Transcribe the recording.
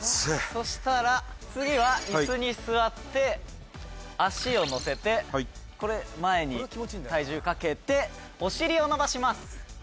そしたら次はイスに座って足をのせてこれ前に体重かけてお尻を伸ばします。